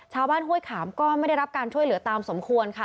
ห้วยขามก็ไม่ได้รับการช่วยเหลือตามสมควรค่ะ